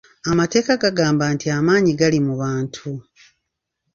Amateeka gagamba nti amaanyi gali mu bantu.